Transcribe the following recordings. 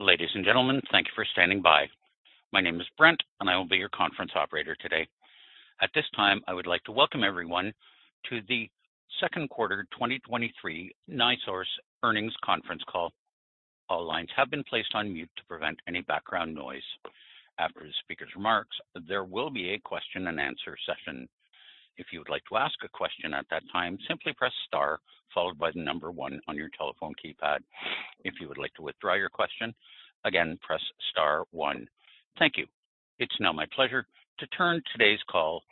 Ladies and gentlemen, thank you for standing by. My name is Brent, and I will be your conference operator today. At this time I would like to welcome everyone to the second quarter 2023 NiSource earnings conference call. All lines have been placed on mute to prevent any background noise. After the speaker's remarks, there will be a question-and-answer session. If you would like to ask a question at that time, simply press star followed by 1 on your telephone keypad. If you would like to withdraw your question, again, press star one. Thank you. It's now my pleasure to turn today's call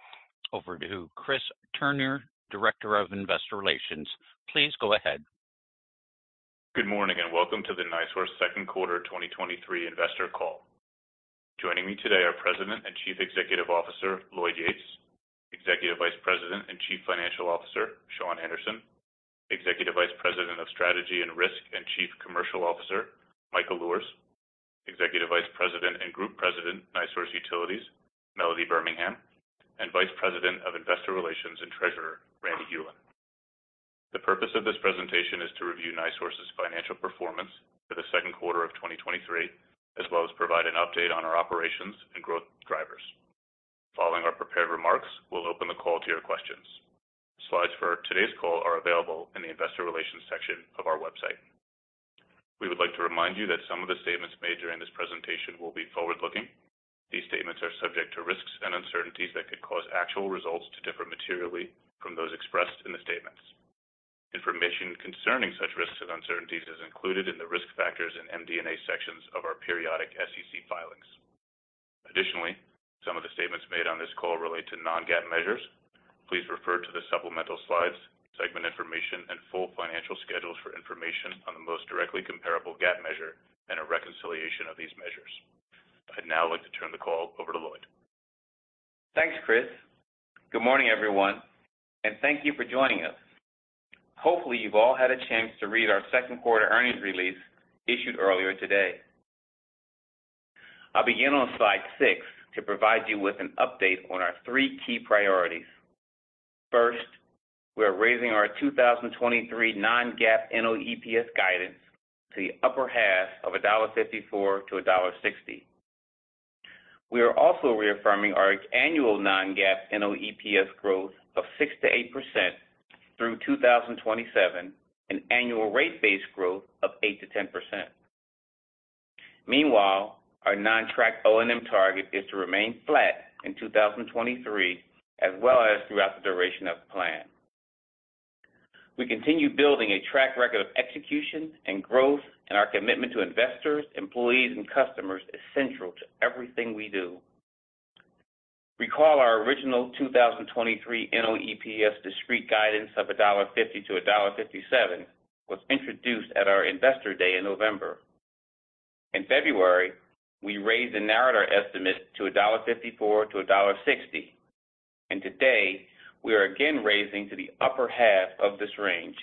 over to Chris Turnure, Director of Investor Relations. Please go ahead. Good morning, and welcome to the NiSource second quarter 2023 investor call. Joining me today are President and Chief Executive Officer, Lloyd Yates; Executive Vice President and Chief Financial Officer, Shawn Anderson; Executive Vice President of Strategy and Risk, and Chief Commercial Officer, Michael Luhrs; Executive Vice President and Group President, NiSource Utilities, Melody Birmingham; and Vice President of Investor Relations and Treasurer, Randy Hulen. The purpose of this presentation is to review NiSource's financial performance for the second quarter of 2023, as well as provide an update on our operations and growth drivers. Following our prepared remarks, we'll open the call to your questions. Slides for today's call are available in the Investor Relations section of our website. We would like to remind you that some of the statements made during this presentation will be forward-looking. These statements are subject to risks and uncertainties that could cause actual results to differ materially from those expressed in the statements. Information concerning such risks and uncertainties is included in the Risk Factors and MD&A sections of our periodic SEC filings. Additionally, some of the statements made on this call relate to non-GAAP measures. Please refer to the supplemental slides, segment information, and full financial schedules for information on the most directly comparable GAAP measure and a reconciliation of these measures. I'd now like to turn the call over to Lloyd. Thanks, Chris. Good morning, everyone, and thank you for joining us. Hopefully, you've all had a chance to read our second quarter earnings release issued earlier today. I'll begin on slide six to provide you with an update on our three key priorities. First, we are raising our 2023 non-GAAP NOEPS guidance to the upper half of $1.54-$1.60. We are also reaffirming our annual non-GAAP NOEPS growth of 6%-8% through 2027, an annual rate-based growth of 8%-10%. Meanwhile, our non-tracked O&M target is to remain flat in 2023, as well as throughout the duration of the plan. We continue building a track record of execution and growth, and our commitment to investors, employees, and customers is central to everything we do. Recall, our original 2023 NOEPS discrete guidance of $1.50-$1.57 was introduced at our Investor Day in November. In February, we raised and narrowed our estimate to $1.54-$1.60, and today we are again raising to the upper half of this range.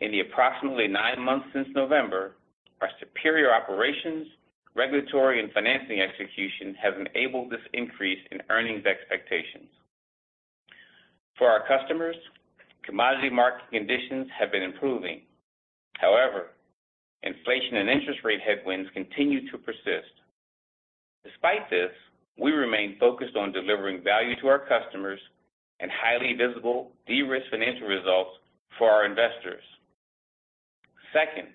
In the approximately nine months since November, our superior operations, regulatory and financing execution have enabled this increase in earnings expectations. For our customers, commodity market conditions have been improving. Inflation and interest rate headwinds continue to persist. Despite this, we remain focused on delivering value to our customers and highly visible de-risk financial results for our investors. Second,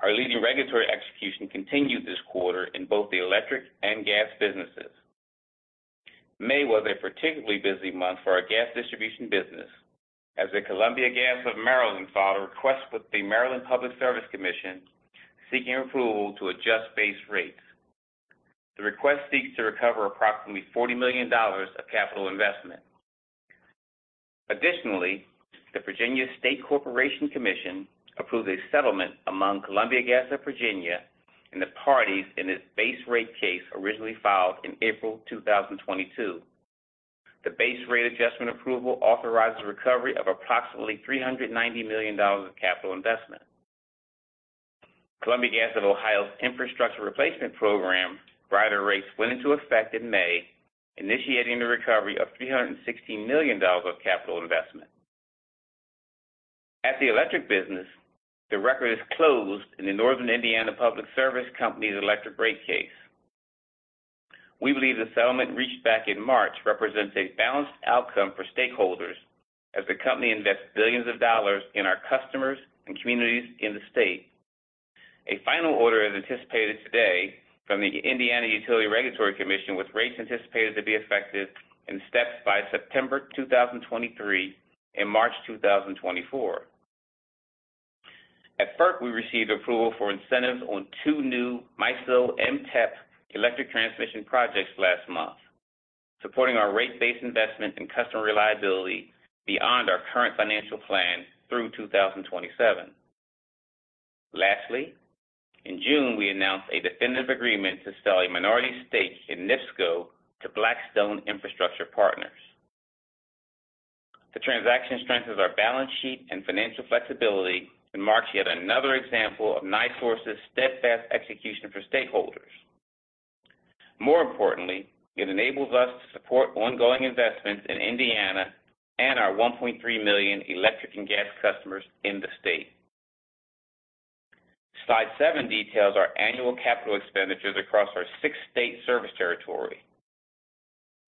our leading regulatory execution continued this quarter in both the electric and gas businesses. May was a particularly busy month for our gas distribution business, as the Columbia Gas of Maryland filed a request with the Maryland Public Service Commission, seeking approval to adjust base rates. The request seeks to recover approximately $40 million of capital investment. The Virginia State Corporation Commission approved a settlement among Columbia Gas of Virginia and the parties in its base rate case, originally filed in April 2022. The base rate adjustment approval authorizes recovery of approximately $390 million of capital investment. Columbia Gas of Ohio's infrastructure replacement program, rider rates, went into effect in May, initiating the recovery of $316 million of capital investment. At the electric business, the record is closed in the Northern Indiana Public Service Company's electric rate case. We believe the settlement reached back in March represents a balanced outcome for stakeholders as the company invests billions of dollars in our customers and communities in the state. A final order is anticipated today from the Indiana Utility Regulatory Commission, with rates anticipated to be effective in steps by September 2023 and March 2024. At FERC, we received approval for incentives on two new MISO RTEP electric transmission projects last month, supporting our rate-based investment and customer reliability beyond our current financial plan through 2027. Lastly, in June, we announced a definitive agreement to sell a minority stake in NIPSCO to Blackstone Infrastructure Partners. The transaction strengthens our balance sheet and financial flexibility and marks yet another example of NiSource's steadfast execution for stakeholders. More importantly, it enables us to support ongoing investments in Indiana and our 1.3 million electric and gas customers in the state. Slide seven details our annual CapEx across our six-state service territory.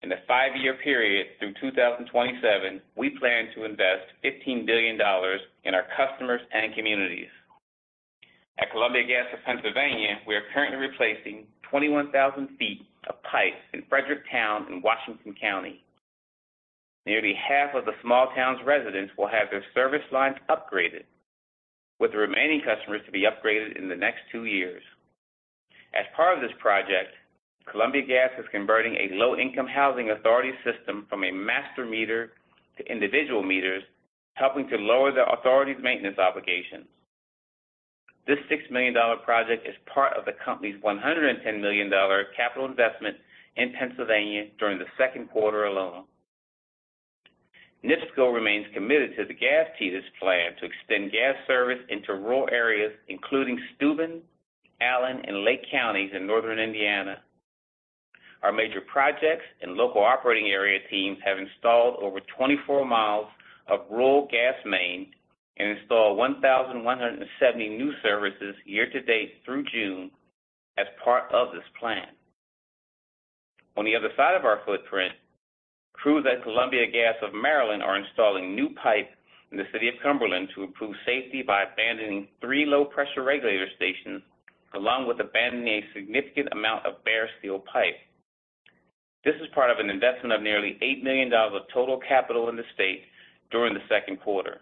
In the five-year period through 2027, we plan to invest $15 billion in our customers and communities. At Columbia Gas of Pennsylvania, we are currently replacing 21,000 ft of pipes in Fredericktown in Washington County. Nearly half of the small town's residents will have their service lines upgraded, with the remaining customers to be upgraded in the next two years. As part of this project, Columbia Gas is converting a low-income housing authority system from a master meter to individual meters, helping to lower the authority's maintenance obligations. This $6 million project is part of the company's $110 million capital investment in Pennsylvania during the second quarter alone. NiSource remains committed to the gas peakers plan to extend gas service into rural areas, including Steuben, Allen, and Lake Counties in northern Indiana. Our major projects and local operating area teams have installed over 24 mi of rural gas main and installed 1,170 new services year to date through June as part of this plan. On the other side of our footprint, crews at Columbia Gas of Maryland are installing new pipe in the city of Cumberland to improve safety by abandoning 3 low-pressure regulator stations, along with abandoning a significant amount of bare steel pipe. This is part of an investment of nearly $8 million of total capital in the state during the second quarter.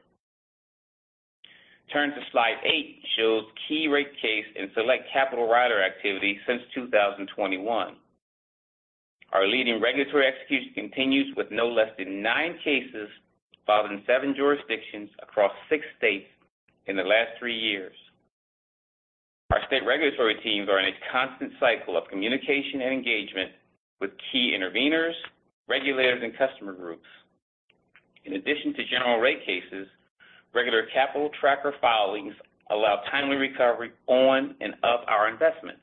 Turn to slide eight shows key rate case and select capital rider activity since 2021. Our leading regulatory execution continues with no less than nine cases filed in seven jurisdictions across six states in the last three years. Our state regulatory teams are in a constant cycle of communication and engagement with key interveners, regulators, and customer groups. In addition to general rate cases, regular capital tracker filings allow timely recovery on and of our investments.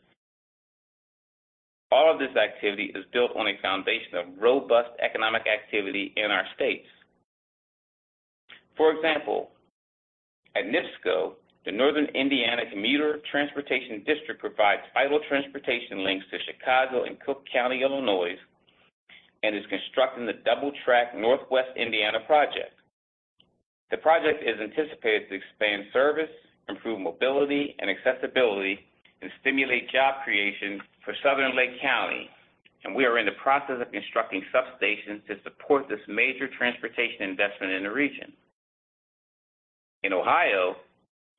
All of this activity is built on a foundation of robust economic activity in our states. For example, at NIPSCO, the Northern Indiana Commuter Transportation District provides vital transportation links to Chicago and Cook County, Illinois, and is constructing the Double Track Northwest Indiana project. The project is anticipated to expand service, improve mobility and accessibility, and stimulate job creation for Southern Lake County, and we are in the process of constructing substations to support this major transportation investment in the region. In Ohio,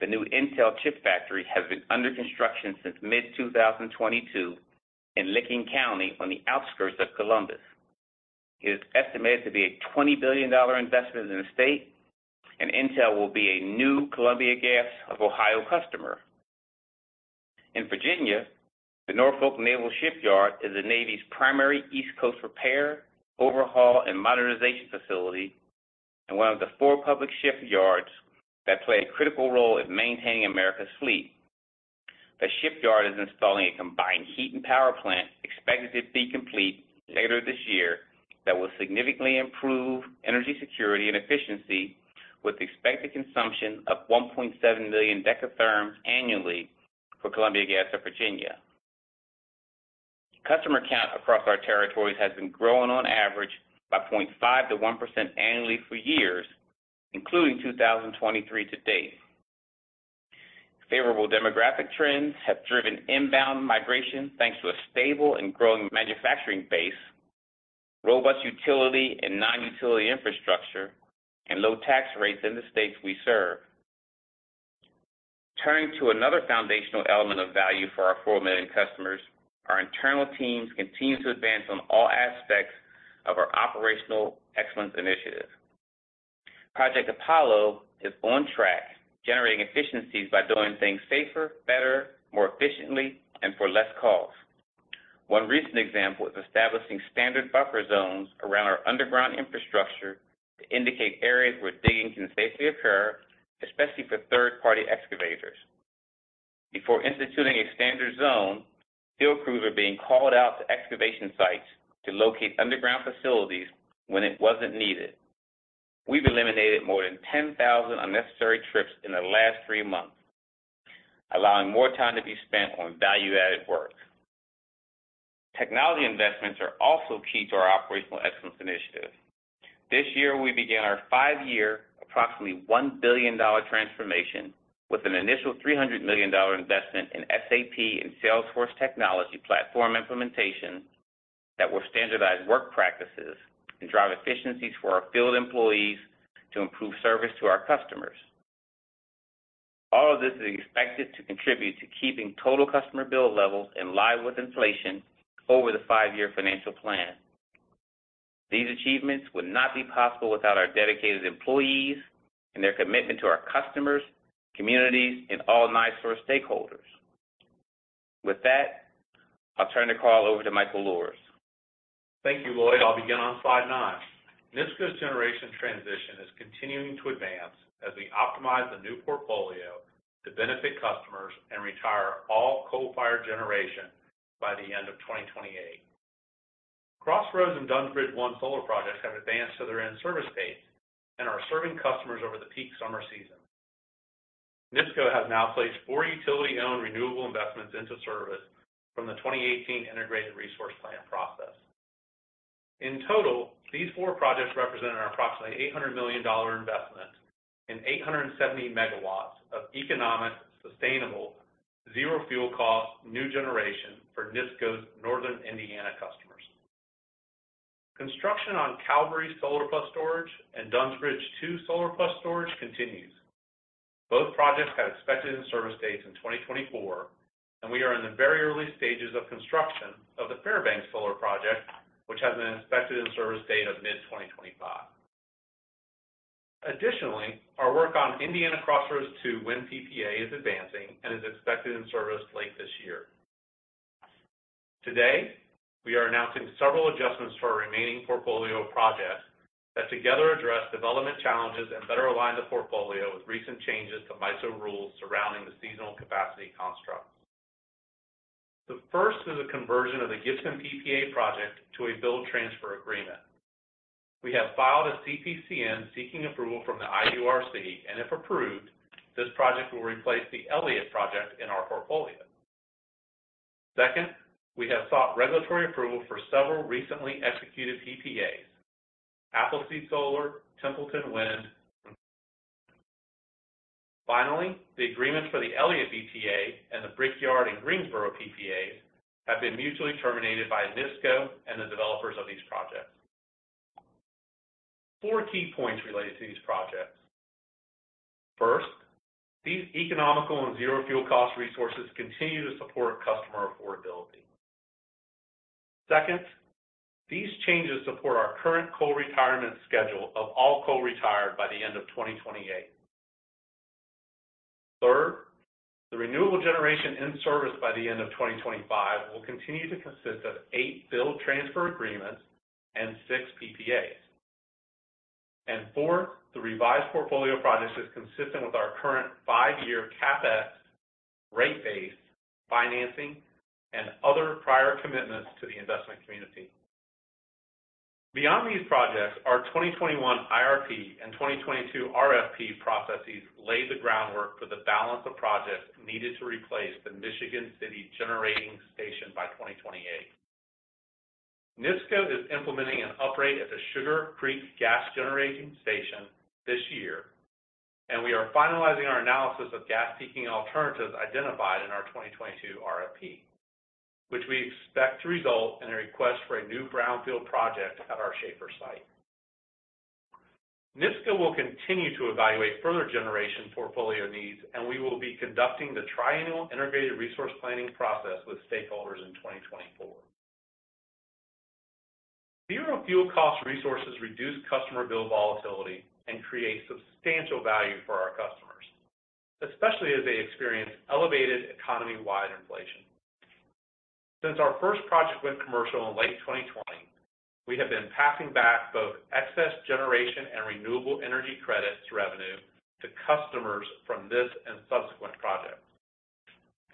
the new Intel chip factory has been under construction since mid-2022 in Licking County on the outskirts of Columbus. It is estimated to be a $20 billion investment in the state, and Intel will be a new Columbia Gas of Ohio customer. In Virginia, the Norfolk Naval Shipyard is the Navy's primary East Coast repair, overhaul, and modernization facility, and one of the four public shipyards that play a critical role in maintaining America's fleet. The shipyard is installing a combined heat and power plant, expected to be complete later this year, that will significantly improve energy security and efficiency, with expected consumption of 1.7 million decatherms annually for Columbia Gas of Virginia. Customer count across our territories has been growing on average by 0.5%-1% annually for years, including 2023 to date. Favorable demographic trends have driven inbound migration, thanks to a stable and growing manufacturing base, robust utility and non-utility infrastructure, and low tax rates in the states we serve. Turning to another foundational element of value for our 4 million customers, our internal teams continue to advance on all aspects of our operational excellence initiative. Project Apollo is on track, generating efficiencies by doing things safer, better, more efficiently, and for less cost. One recent example is establishing standard buffer zones around our underground infrastructure to indicate areas where digging can safely occur, especially for third-party excavators. Before instituting a standard zone, field crews are being called out to excavation sites to locate underground facilities when it wasn't needed. We've eliminated more than 10,000 unnecessary trips in the last three months, allowing more time to be spent on value-added work. Technology investments are also key to our operational excellence initiatives. This year, we began our five-year, approximately $1 billion transformation with an initial $300 million investment in SAP and Salesforce technology platform implementation that will standardize work practices and drive efficiencies for our field employees to improve service to our customers. All of this is expected to contribute to keeping total customer bill levels in line with inflation over the five-year financial plan. These achievements would not be possible without our dedicated employees and their commitment to our customers, communities, and all NiSource stakeholders. With that, I'll turn the call over to Michael Luhrs. Thank you, Lloyd. I'll begin on slide nine. NIPSCO's generation transition is continuing to advance as we optimize the new portfolio to benefit customers and retire all coal-fired generation by the end of 2028. Crossroads and Dunns Bridge I solar projects have advanced to their in-service phase and are serving customers over the peak summer season. NIPSCO has now placed four utility-owned renewable investments into service from the 2018 Integrated Resource Plan process. In total, these four projects represent an approximately $800 million investment and 870 MW of economic, sustainable, zero fuel cost, new generation for NIPSCO's northern Indiana customers. Construction on Cavalry Solar and Storage and Dunns Bridge II Solar Plus Storage continues. Both projects have expected in-service dates in 2024. We are in the very early stages of construction of the Fairbanks Solar Project, which has an expected in-service date of mid-2025. Our work on Indiana Crossroads II Wind PPA is advancing and is expected in service late this year. Today, we are announcing several adjustments to our remaining portfolio of projects that together address development challenges and better align the portfolio with recent changes to MISO rules surrounding the seasonal capacity construct. The first is a conversion of the Gibson PPA project to a build transfer agreement. We have filed a CPCN seeking approval from the IURC. If approved, this project will replace the Elliott project in our portfolio. We have sought regulatory approval for several recently executed PPAs: Appleseed Solar, Templeton Wind. Finally, the agreements for the Elliott PPA and the Brickyard and Greensboro PPAs have been mutually terminated by NIPSCO and the developers of these projects. Four key points related to these projects. First, these economical and zero-fuel cost resources continue to support customer affordability. Second, these changes support our current coal retirement schedule of all coal retired by the end of 2028. Third, the renewable generation in service by the end of 2025 will continue to consist of eight build transfer agreements and six PPAs. Fourth, the revised portfolio projects is consistent with our current five-year CapEx rate base, financing, and other prior commitments to the investment community. Beyond these projects, our 2021 IRP and 2022 RFP processes lay the groundwork for the balance of projects needed to replace the Michigan City Generating Station by 2028. NIPSCO is implementing an upgrade at the Sugar Creek Gas Generating Station this year. We are finalizing our analysis of gas-seeking alternatives identified in our 2022 RFP, which we expect to result in a request for a new brownfield project at our Schahfer site. NIPSCO will continue to evaluate further generation portfolio needs. We will be conducting the triannual integrated resource planning process with stakeholders in 2024. Zero fuel cost resources reduce customer bill volatility and create substantial value for our customers, especially as they experience elevated economy-wide inflation. Since our first project went commercial in late 2020, we have been passing back both excess generation and renewable energy credits revenue to customers from this and subsequent projects.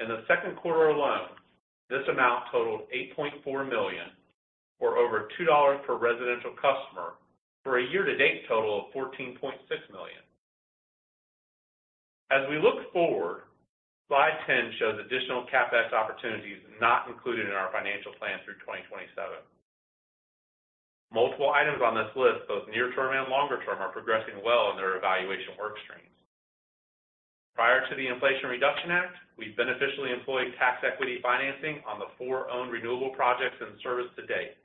In the second quarter alone, this amount totaled $8.4 million, or over $2 per residential customer, for a year-to-date total of $14.6 million. As we look forward, Slide 10 shows additional CapEx opportunities not included in our financial plan through 2027. Multiple items on this list, both near term and longer term, are progressing well in their evaluation work stream. Prior to the Inflation Reduction Act, we've beneficially employed tax equity financing on the four owned renewable projects in service to date.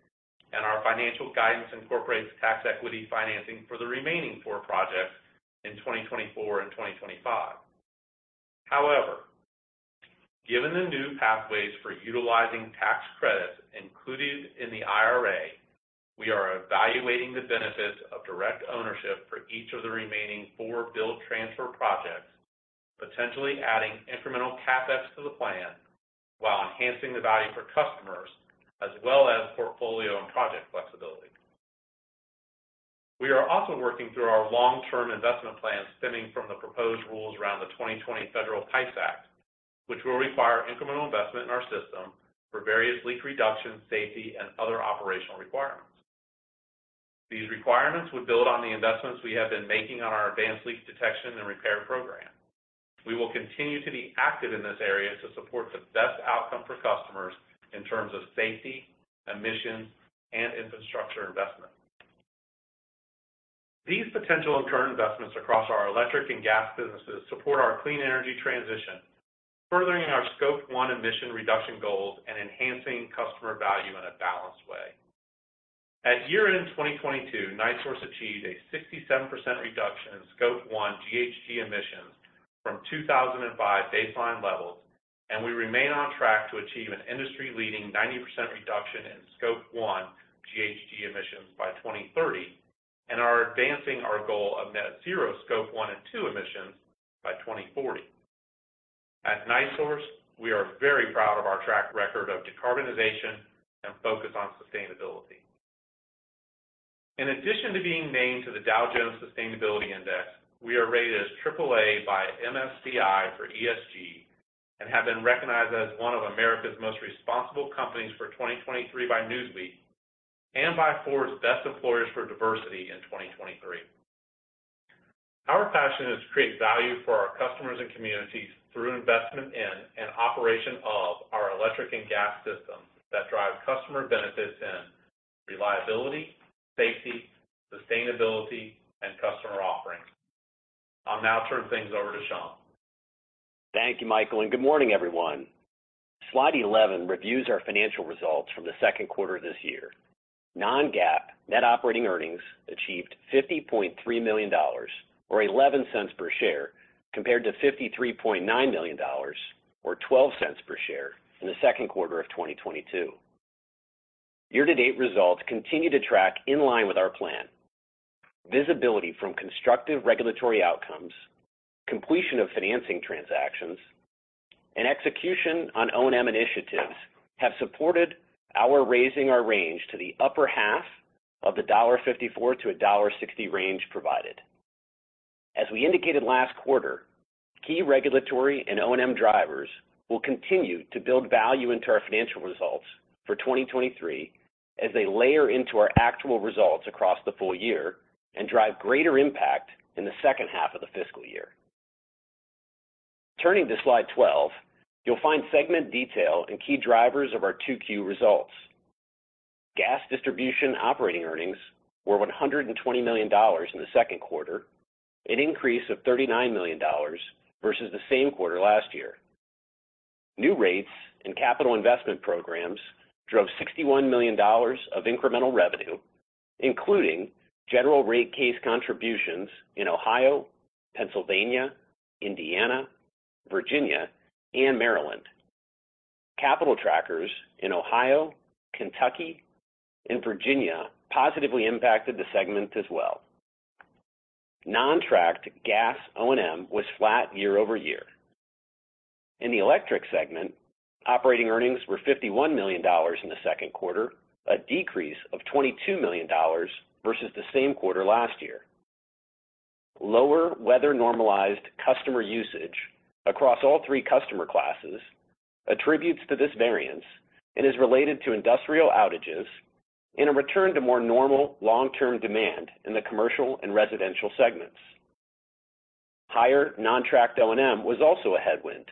Our financial guidance incorporates tax equity financing for the remaining four projects in 2024 and 2025. However, given the new pathways for utilizing tax credits included in the IRA, we are evaluating the benefits of direct ownership for each of the remaining four build transfer projects, potentially adding incremental CapEx to the plan while enhancing the value for customers, as well as portfolio and project flexibility. We are also working through our long-term investment plan stemming from the proposed rules around the 2020 Federal PIPES Act, which will require incremental investment in our system for various leak reduction, safety, and other operational requirements. These requirements would build on the investments we have been making on our advanced leak detection and repair program. We will continue to be active in this area to support the best outcome for customers in terms of safety, emissions, and infrastructure investment. These potential and current investments across our electric and gas businesses support our clean energy transition, furthering our Scope 1 emission reduction goals and enhancing customer value in a balanced way. At year-end in 2022, NiSource achieved a 67% reduction in Scope 1 GHG emissions from 2005 baseline levels, and we remain on track to achieve an industry-leading 90% reduction in Scope 1 GHG emissions by 2030, and are advancing our goal of net zero Scope 1 and 2 emissions by 2040. At NiSource, we are very proud of our track record of decarbonization and focus on sustainability. In addition to being named to the Dow Jones Sustainability Index, we are rated as AAA by MSCI for ESG and have been recognized as one of America's most responsible companies for 2023 by Newsweek and by Forbes Best Employers for Diversity in 2023. Our passion is to create value for our customers and communities through investment in and operation of our electric and gas systems that drive customer benefits in reliability, safety, sustainability, and customer offerings. I'll now turn things over to Shawn. Thank you, Michael. Good morning, everyone. Slide 11 reviews our financial results from the second quarter of this year. Non-GAAP net operating earnings achieved $50.3 million or $0.11 per share, compared to $53.9 million, or $0.12 per share in the second quarter of 2022. Year-to-date results continue to track in line with our plan. Visibility from constructive regulatory outcomes, completion of financing transactions, and execution on O&M initiatives have supported our raising our range to the upper half of the $1.54-$1.60 range provided. As we indicated last quarter, key regulatory and O&M drivers will continue to build value into our financial results for 2023 as they layer into our actual results across the full year and drive greater impact in the second half of the fiscal year. Turning to slide 12, you'll find segment detail and key drivers of our 2Q results. Gas distribution operating earnings were $120 million in the second quarter, an increase of $39 million versus the same quarter last year. New rates and capital investment programs drove $61 million of incremental revenue, including general rate case contributions in Ohio, Pennsylvania, Indiana, Virginia, and Maryland. Capital trackers in Ohio, Kentucky, and Virginia positively impacted the segment as well. Non-tracked gas O&M was flat year-over-year. In the electric segment, operating earnings were $51 million in the second quarter, a decrease of $22 million versus the same quarter last year. Lower weather-normalized customer usage across all three customer classes attributes to this variance and is related to industrial outages and a return to more normal long-term demand in the commercial and residential segments. Higher non-tracked O&M was also a headwind,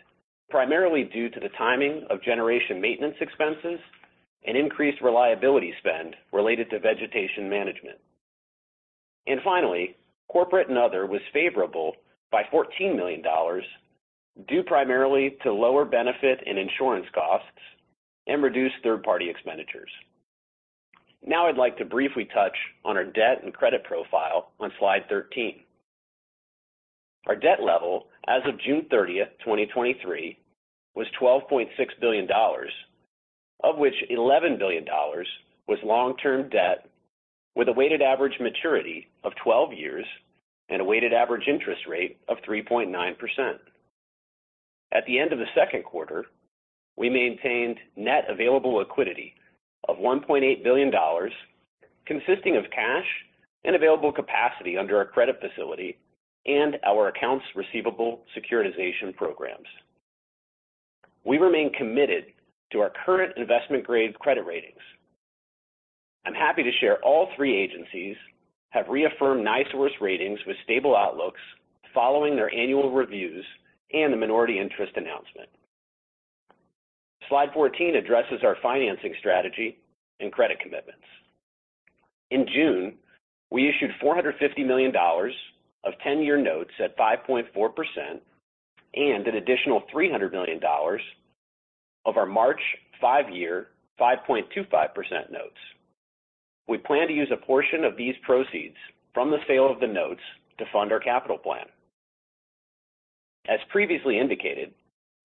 primarily due to the timing of generation maintenance expenses and increased reliability spend related to vegetation management. Finally, corporate and other was favorable by $14 million, due primarily to lower benefit and insurance costs and reduced third-party expenditures. Now I'd like to briefly touch on our debt and credit profile on slide 13. Our debt level as of June 30th, 2023, was $12.6 billion, of which $11 billion was long-term debt with a weighted average maturity of 12 years and a weighted average interest rate of 3.9%. At the end of the second quarter, we maintained net available liquidity of $1.8 billion, consisting of cash and available capacity under our credit facility and our accounts receivable securitization programs. We remain committed to our current investment-grade credit ratings. I'm happy to share all three agencies have reaffirmed NiSource ratings with stable outlooks following their annual reviews and the minority interest announcement. Slide 14 addresses our financing strategy and credit commitments. In June, we issued $450 million of 10-year notes at 5.4% and an additional $300 million of our March five-year, 5.25% notes. We plan to use a portion of these proceeds from the sale of the notes to fund our capital plan. As previously indicated,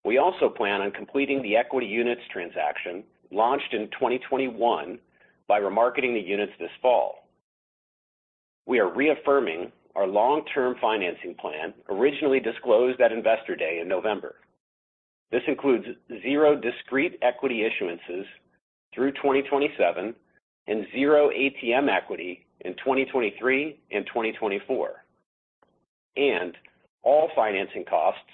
we also plan on completing the equity units transaction launched in 2021 by remarketing the units this fall. We are reaffirming our long-term financing plan, originally disclosed at Investor Day in November. This includes zero discrete equity issuances through 2027 and zero ATM equity in 2023 and 2024, and all financing costs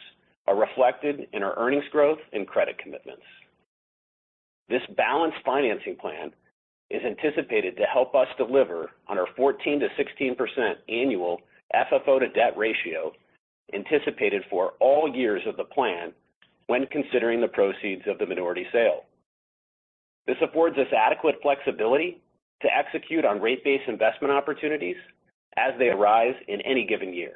are reflected in our earnings growth and credit commitments. This balanced financing plan is anticipated to help us deliver on our 14%-16% annual FFO to debt ratio, anticipated for all years of the plan when considering the proceeds of the minority sale. This affords us adequate flexibility to execute on rate-based investment opportunities as they arise in any given year.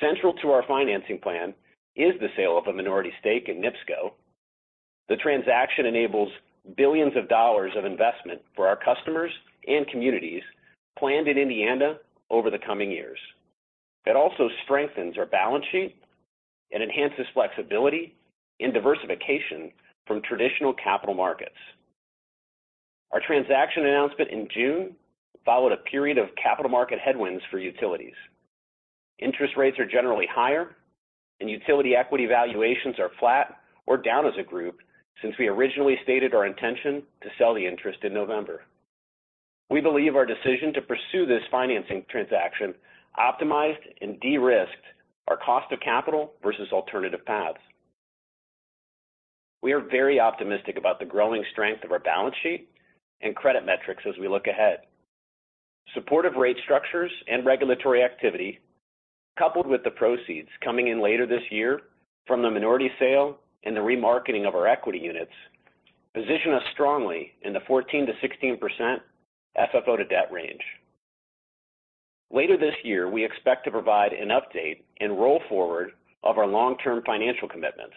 Central to our financing plan is the sale of a minority stake in NIPSCO. The transaction enables billions of dollars of investment for our customers and communities planned in Indiana over the coming years. It also strengthens our balance sheet and enhances flexibility and diversification from traditional capital markets. Our transaction announcement in June followed a period of capital market headwinds for utilities. Interest rates are generally higher, and utility equity valuations are flat or down as a group since we originally stated our intention to sell the interest in November. We believe our decision to pursue this financing transaction optimized and de-risked our cost of capital versus alternative paths. We are very optimistic about the growing strength of our balance sheet and credit metrics as we look ahead. Supportive rate structures and regulatory activity, coupled with the proceeds coming in later this year from the minority sale and the remarketing of our equity units, position us strongly in the 14%-16% FFO to debt range. Later this year, we expect to provide an update and roll forward of our long-term financial commitments.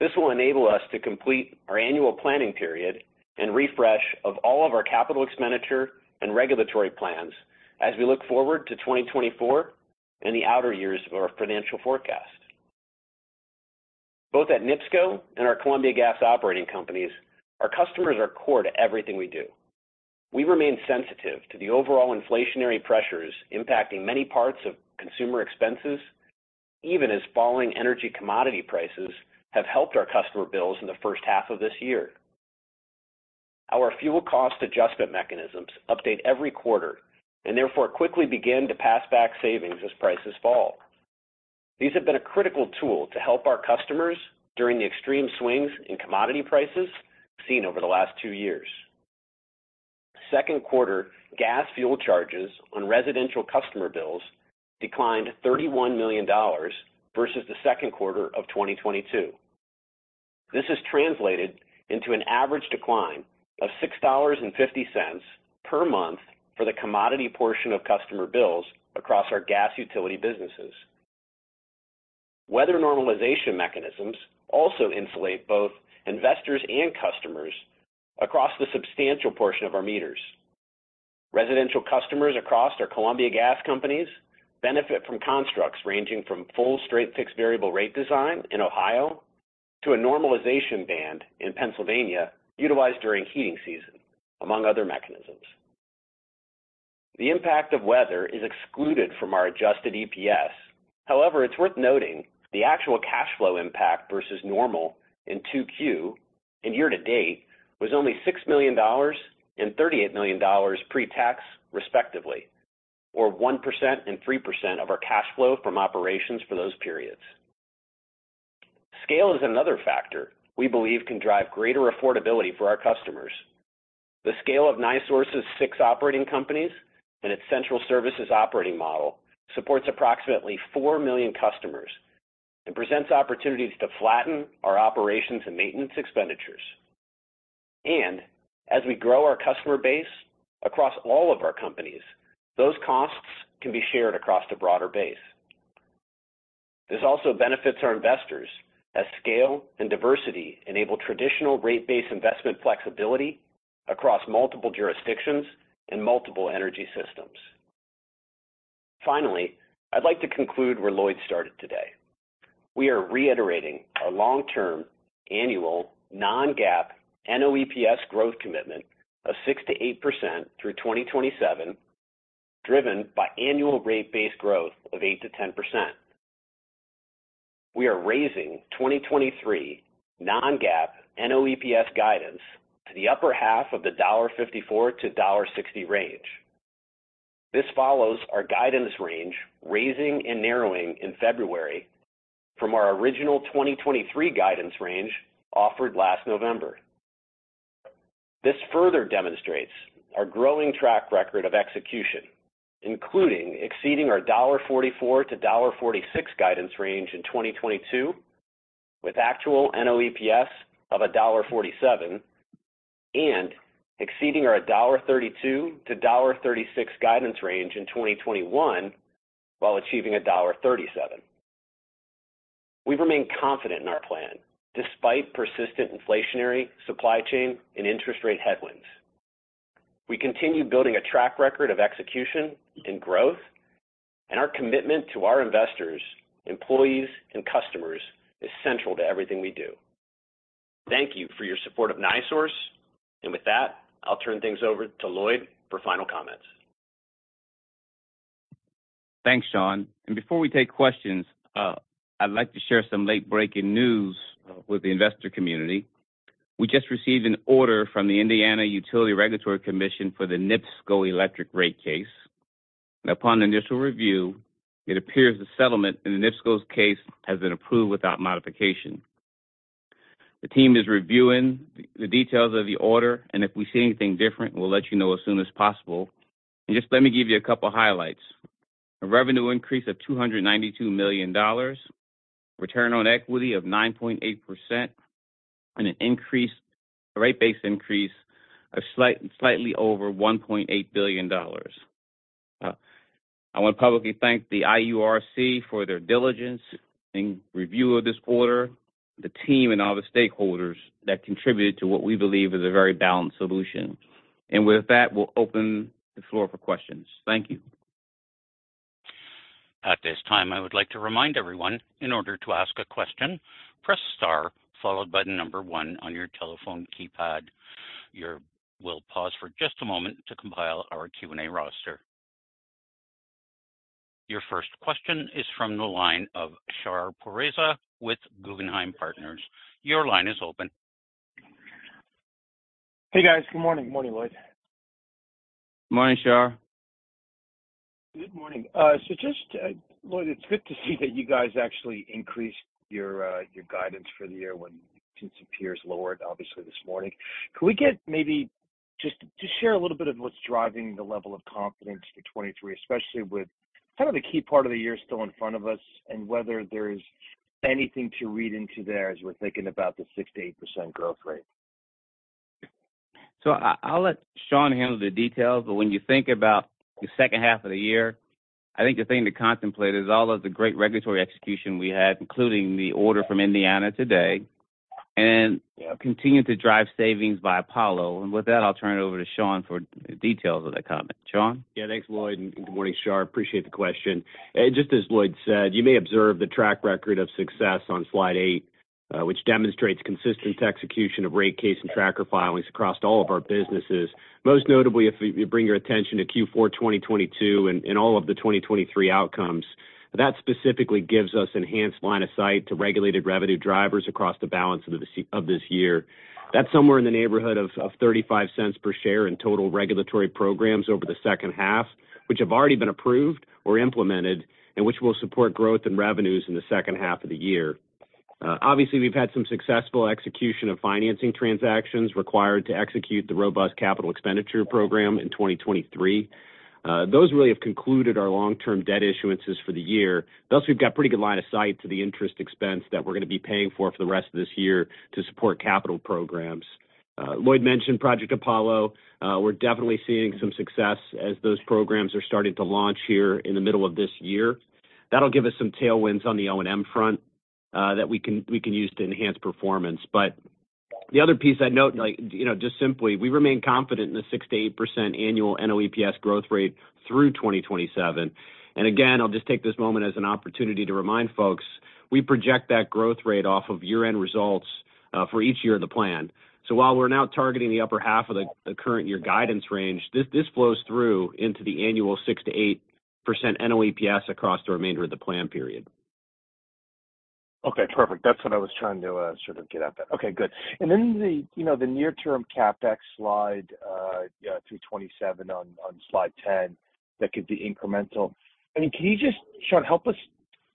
This will enable us to complete our annual planning period and refresh of all of our CapEx and regulatory plans as we look forward to 2024 and the outer years of our financial forecast. Both at NIPSCO and our Columbia Gas operating companies, our customers are core to everything we do. We remain sensitive to the overall inflationary pressures impacting many parts of consumer expenses, even as falling energy commodity prices have helped our customer bills in the first half of this year. Our fuel cost adjustment mechanisms update every quarter, and therefore quickly begin to pass back savings as prices fall. These have been a critical tool to help our customers during the extreme swings in commodity prices seen over the last two years. Scond quarter gas fuel charges on residential customer bills declined $31 million versus the second quarter of 2022. This has translated into an average decline of $6.50 per month for the commodity portion of customer bills across our gas utility businesses. Weather normalization mechanisms also insulate both investors and customers across the substantial portion of our meters. Residential customers across our Columbia Gas companies benefit from constructs ranging from full straight fixed variable rate design in Ohio to a normalization band in Pennsylvania, utilized during heating season, among other mechanisms. The impact of weather is excluded from our adjusted EPS. It's worth noting the actual cash flow impact versus normal in 2Q and year to date was only $6 million and $38 million pre-tax, respectively, or 1% and 3% of our cash flow from operations for those periods. Scale is another factor we believe can drive greater affordability for our customers. The scale of NiSource's six operating companies and its central services operating model supports approximately 4 million customers and presents opportunities to flatten our operations and maintenance expenditures. As we grow our customer base across all of our companies, those costs can be shared across a broader base. This also benefits our investors, as scale and diversity enable traditional rate-based investment flexibility across multiple jurisdictions and multiple energy systems. Finally, I'd like to conclude where Lloyd started today. We are reiterating our long-term annual non-GAAP NOEPS growth commitment of 6%-8% through 2027, driven by annual rate-based growth of 8%-10%. We are raising 2023 non-GAAP NOEPS guidance to the upper half of the $1.54-$1.60 range. This follows our guidance range, raising and narrowing in February from our original 2023 guidance range offered last November. This further demonstrates our growing track record of execution, including exceeding our $1.44-$1.46 guidance range in 2022, with actual NOEPS of $1.47, and exceeding our $1.32-$1.36 guidance range in 2021, while achieving $1.37. We remain confident in our plan despite persistent inflationary, supply chain, and interest rate headwinds. We continue building a track record of execution and growth, and our commitment to our investors, employees, and customers is central to everything we do. Thank you for your support of NiSource, and with that, I'll turn things over to Lloyd for final comments. Thanks, Shawn. Before we take questions, I'd like to share some late-breaking news with the investor community. We just received an order from the Indiana Utility Regulatory Commission for the NIPSCO electric rate case. Upon initial review, it appears the settlement in the NIPSCO's case has been approved without modification. The team is reviewing the details of the order, and if we see anything different, we'll let you know as soon as possible. Just let me give you a couple highlights: a revenue increase of $292 million, return on equity of 9.8%, and a rate-based increase of slightly over $1.8 billion. I want to publicly thank the IURC for their diligence in review of this order, the team and all the stakeholders that contributed to what we believe is a very balanced solution. With that, we'll open the floor for questions. Thank you. At this time, I would like to remind everyone, in order to ask a question, press star followed by the number one on your telephone keypad. We'll pause for just a moment to compile our Q&A roster. Your first question is from the line of Shar Pourreza with Guggenheim Partners. Your line is open. Hey, guys. Good morning. Morning, Lloyd. Morning, Shar. Good morning. Lloyd, it's good to see that you guys actually increased your guidance for the year when some peers lowered, obviously, this morning. Could we get maybe just to share a little bit of what's driving the level of confidence for 2023, especially with kind of the key part of the year still in front of us, and whether there's anything to read into there as we're thinking about the 6%-8% growth rate? I, I'll let Shawn handle the details, but when you think about the second half of the year, I think the thing to contemplate is all of the great regulatory execution we had, including the order from Indiana today, and continue to drive savings by Apollo. With that, I'll turn it over to Shawn for details of that comment. Shawn? Yeah, thanks, Lloyd, and good morning, Shar. Appreciate the question. Just as Lloyd said, you may observe the track record of success on slide eight, which demonstrates consistent execution of rate case and tracker filings across all of our businesses. Most notably, if you, you bring your attention to Q4 2022 and all of the 2023 outcomes, that specifically gives us enhanced line of sight to regulated revenue drivers across the balance of this year. That's somewhere in the neighborhood of $0.35 per share in total regulatory programs over the second half, which have already been approved or implemented and which will support growth in revenues in the second half of the year. Obviously, we've had some successful execution of financing transactions required to execute the robust capital expenditure program in 2023. Those really have concluded our long-term debt issuances for the year. Thus, we've got pretty good line of sight to the interest expense that we're going to be paying for for the rest of this year to support capital programs. Lloyd mentioned Project Apollo. We're definitely seeing some success as those programs are starting to launch here in the middle of this year. That'll give us some tailwinds on the O&M front that we can, we can use to enhance performance. The other piece I'd note, just simply, we remain confident in the 6%-8% annual NOEPS growth rate through 2027. Again, I'll just take this moment as an opportunity to remind folks, we project that growth rate off of year-end results for each year of the plan. While we're now targeting the upper half of the current year guidance range, this flows through into the annual 6%-8% NOEPS across the remainder of the plan period. Okay, perfect. That's what I was trying to sort of get at that. Okay, good. The, you know, the near-term CapEx slide, yeah, through 2027 on, on slide 10, that could be incremental. I mean, can you just, Shawn, help us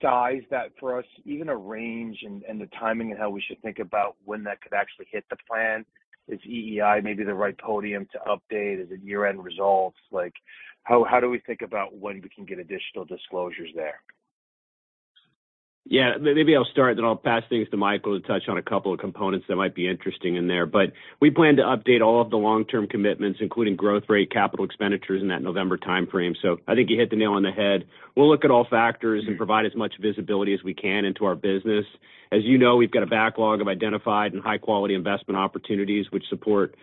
size that for us, even a range and, and the timing of how we should think about when that could actually hit the plan? Is EEI maybe the right podium to update? Is it year-end results? Like, how, how do we think about when we can get additional disclosures there? Yeah, maybe I'll start, then I'll pass things to Michael to touch on a couple of components that might be interesting in there. We plan to update all of the long-term commitments, including growth rate, capital expenditures, in that November timeframe. I think you hit the nail on the head. We'll look at all factors and provide as much visibility as we can into our business. As you know, we've got a backlog of identified and high-quality investment opportunities, which support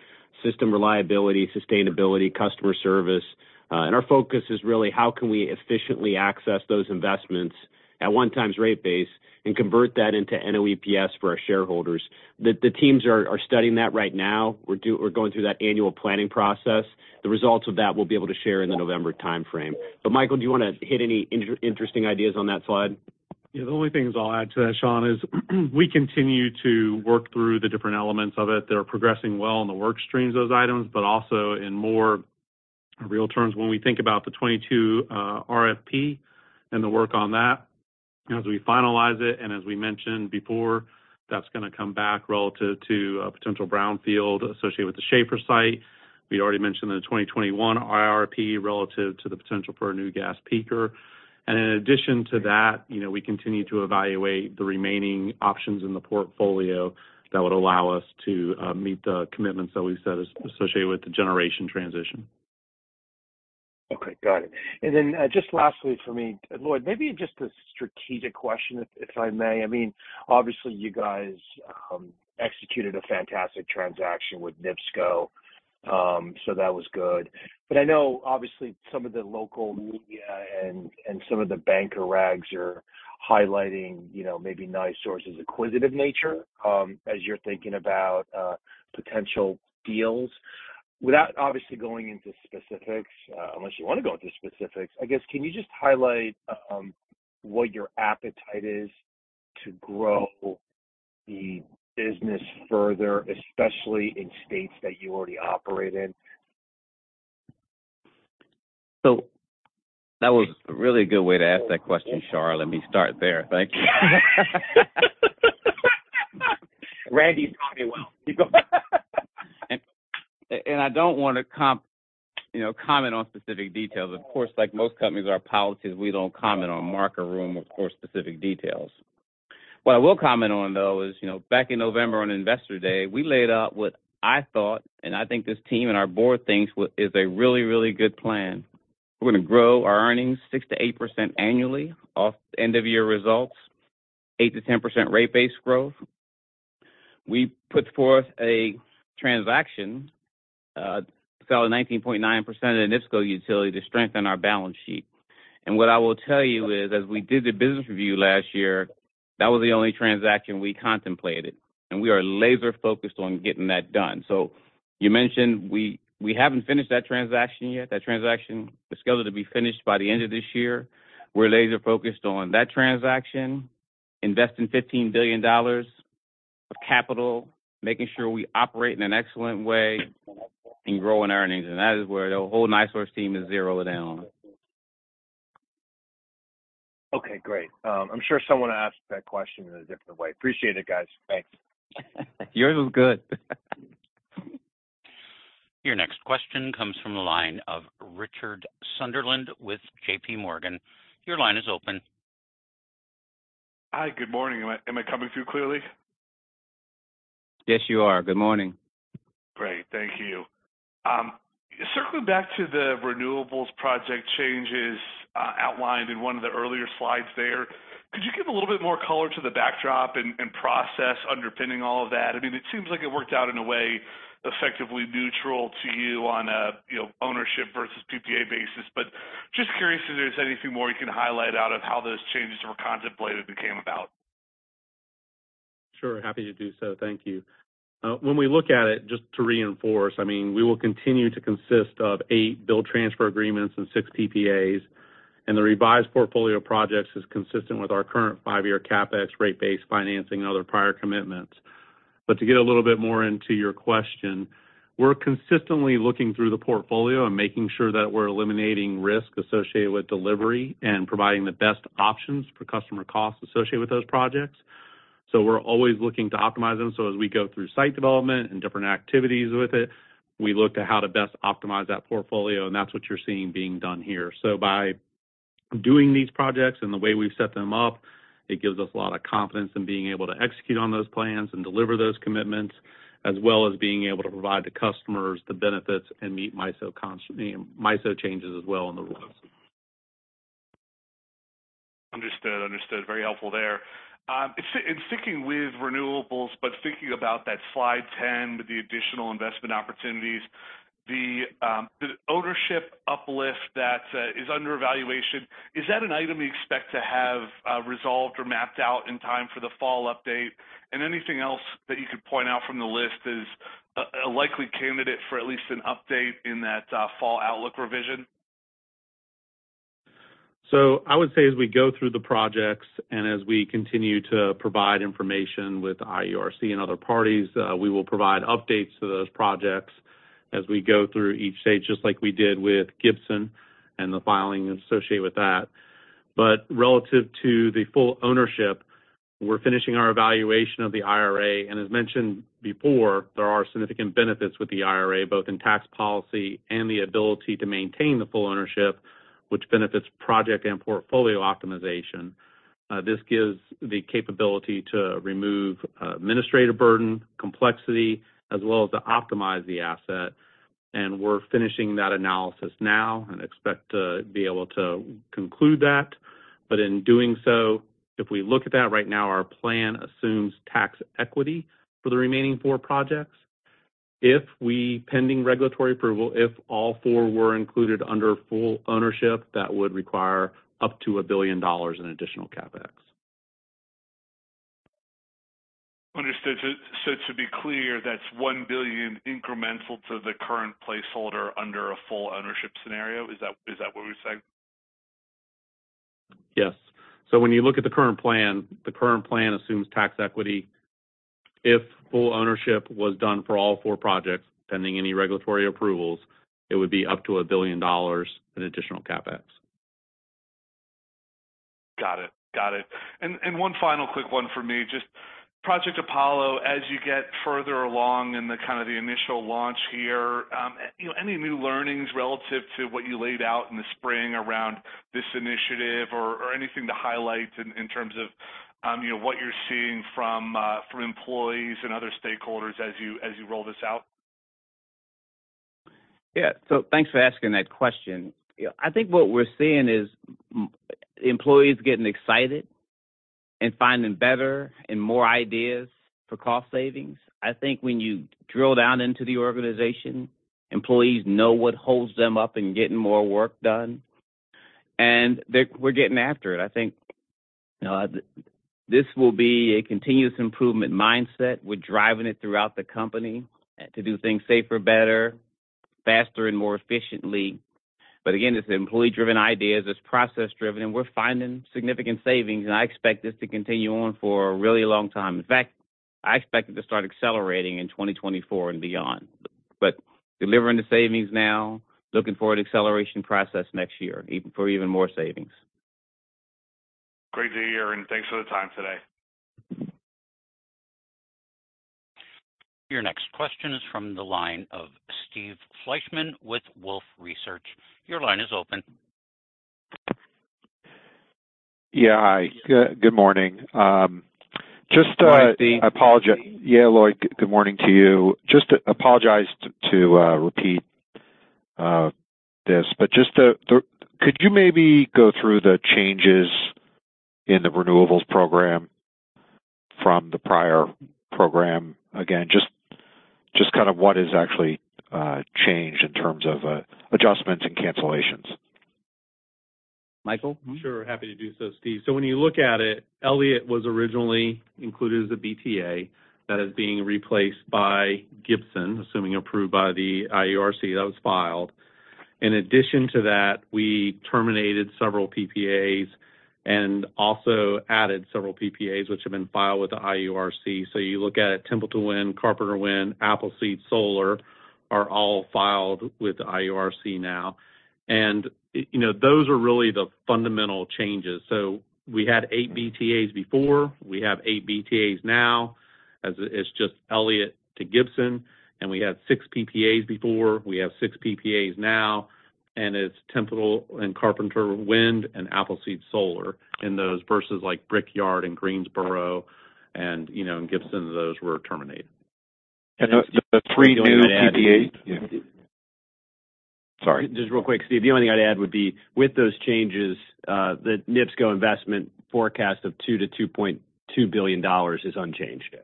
system reliability, sustainability, customer service. And our focus is really how can we efficiently access those investments at 1x rate base and convert that into NOEPS for our shareholders. The teams are studying that right now. We're going through that annual planning process. The results of that, we'll be able to share in the November timeframe. Michael, do you want to hit any interesting ideas on that slide? Yeah, the only things I'll add to that, Shawn, is we continue to work through the different elements of it. They're progressing well in the work streams, those items, but also in more real terms when we think about the 2022 RFP and the work on that as we finalize it. And as we mentioned before, that's going to come back relative to a potential brownfield associated with the Schahfer site. We already mentioned the 2021 IRP relative to the potential for a new gas peaker. And in addition to that, you know, we continue to evaluate the remaining options in the portfolio that would allow us to meet the commitments that we set as associated with the generation transition. Okay, got it. Just lastly for me, Lloyd, maybe just a strategic question, if, if I may. I mean, obviously, you guys executed a fantastic transaction with NIPSCO, so that was good. I know, obviously, some of the local media and, and some of the banker rags are highlighting, you know, maybe NiSource's acquisitive nature as you're thinking about potential deals. Without obviously going into specifics, unless you want to go into specifics, I guess, can you just highlight what your appetite is to grow the business further, especially in states that you already operate in? That was a really good way to ask that question, Shar. Let me start there. Thank you. Randy, you taught me well. I don't want to, you know, comment on specific details. Of course, like most companies, our policy is we don't comment on market rumor, of course, specific details. What I will comment on, though, is, you know, back in November on Investor Day, we laid out what I thought, and I think this team and our board thinks what is a really, really good plan. We're going to grow our earnings 6%-8% annually off end-of-year results, 8%-10% rate-based growth. We put forth a transaction, sell 19.9% of the NIPSCO utility to strengthen our balance sheet. What I will tell you is, as we did the business review last year, that was the only transaction we contemplated, and we are laser focused on getting that done. You mentioned we, we haven't finished that transaction yet. That transaction is scheduled to be finished by the end of this year. We're laser focused on that transaction, investing $15 billion of capital, making sure we operate in an excellent way and growing earnings, and that is where the whole NiSource team is zeroed in on. Okay, great. I'm sure someone asked that question in a different way. Appreciate it, guys. Thanks. Yours was good. Your next question comes from the line of Richard Sunderland with JPMorgan. Your line is open. Hi, good morning. Am I, am I coming through clearly? Yes, you are. Good morning. Great, thank you. Circling back to the renewables project changes, outlined in one of the earlier slides there, could you give a little bit more color to the backdrop and, and process underpinning all of that? I mean, it seems like it worked out in a way effectively neutral to you on a ownership versus PPA basis. Just curious if there's anything more you can highlight out of how those changes were contemplated and came about? Sure, happy to do so. Thank you. When we look at it, just to reinforce, I mean, we will continue to consist of eight build transfer agreements and six PPAs, and the revised portfolio of projects is consistent with our current five-year CapEx rate base financing and other prior commitments. To get a little bit more into your question, we're consistently looking through the portfolio and making sure that we're eliminating risk associated with delivery and providing the best options for customer costs associated with those projects. We're always looking to optimize them, so as we go through site development and different activities with it, we look to how to best optimize that portfolio, and that's what you're seeing being done here. By doing these projects and the way we've set them up, it gives us a lot of confidence in being able to execute on those plans and deliver those commitments, as well as being able to provide the customers the benefits and meet MISO changes as well in the rules. Understood. Understood. Very helpful there. In, in sticking with renewables, but thinking about that slide 10, with the additional investment opportunities, the ownership uplift that is under evaluation, is that an item you expect to have resolved or mapped out in time for the fall update? Anything else that you could point out from the list is a, a likely candidate for at least an update in that fall outlook revision? I would say as we go through the projects and as we continue to provide information with IURC and other parties, we will provide updates to those projects as we go through each stage, just like we did with Gibson and the filing associated with that. Relative to the full ownership, we're finishing our evaluation of the IRA. As mentioned before, there are significant benefits with the IRA, both in tax policy and the ability to maintain the full ownership, which benefits project and portfolio optimization. This gives the capability to remove administrative burden, complexity, as well as to optimize the asset, and we're finishing that analysis now and expect to be able to conclude that. In doing so, if we look at that right now, our plan assumes tax equity for the remaining four projects. If we, pending regulatory approval, if all four were included under full ownership, that would require up to $1 billion in additional CapEx. Understood. So to be clear, that's $1 billion incremental to the current placeholder under a full ownership scenario? Is that what we're saying? Yes. When you look at the current plan, the current plan assumes tax equity. If full ownership was done for all four projects, pending any regulatory approvals, it would be up to $1 billion in additional CapEx. Got it. Got it. And one final quick one for me, just Project Apollo, as you get further along in the kind of the initial launch here, you know, any new learnings relative to what you laid out in the spring around this initiative or, or anything to highlight in terms of, you know, what you're seeing from employees and other stakeholders as you, as you roll this out? Yeah. Thanks for asking that question. I think what we're seeing is employees getting excited and finding better and more ideas for cost savings. I think when you drill down into the organization, employees know what holds them up in getting more work done, and we're getting after it. I think this will be a continuous improvement mindset. We're driving it throughout the company to do things safer, better, faster, and more efficiently. Again, it's employee-driven ideas, it's process-driven, and we're finding significant savings, and I expect this to continue on for a really long time. In fact, I expect it to start accelerating in 2024 and beyond. Delivering the savings now, looking forward to acceleration process next year, for even more savings. Great to hear, and thanks for the time today. Your next question is from the line of Steve Fleishman with Wolfe Research. Your line is open. Yeah, hi. Good, good morning. Good morning. I apologize. Yeah, Lloyd, good morning to you. Just to apologize to this, but just the, could you maybe go through the changes in the renewables program from the prior program? Again, just kind of what is actually changed in terms of adjustments and cancellations. Michael? Sure. Happy to do so, Steve. When you look at it, Elliot was originally included as a BTA that is being replaced by Gibson, assuming approved by the IURC that was filed. In addition to that, we terminated several PPAs and also added several PPAs, which have been filed with the IURC. You look at it, Templeton Wind, Carpenter Wind, Appleseed Solar are all filed with the IURC now. You know, those are really the fundamental changes. We had eight BTAs before. We have eight BTAs now, as it's just Elliot to Gibson, and we had six PPAs before. We have six PPAs now, and it's Templeton and Carpenter Wind and Appleseed Solar in those versus, like, Brickyard and Greensboro and, you know, and Gibson, those were terminated. The three new PPAs? Yeah. Sorry. Just real quick, Steve. The only thing I'd add would be, with those changes, the NIPSCO investment forecast of $2 billion-$2.2 billion is unchanged.